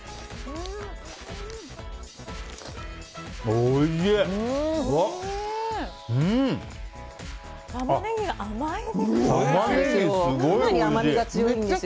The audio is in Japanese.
おいしい！